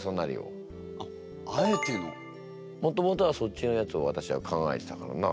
もともとはそっちのやつをわたしは考えてたからな。